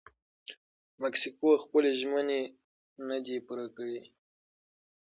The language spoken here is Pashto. مکسیکو خپلې ژمنې نه دي پوره کړي.